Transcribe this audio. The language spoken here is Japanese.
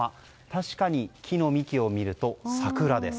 確かに木の幹を見ると桜です。